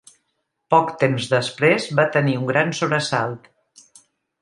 Poc temps després va tenir un gran sobresalt.